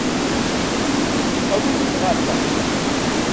Awi-t-id ɣer da.